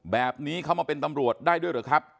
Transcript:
แบบนี้เขามาเป็นตำรวจได้ด้วยหรือครับ